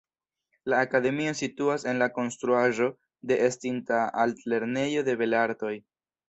La Akademio situas en la konstruaĵo de estinta Altlernejo de belartoj.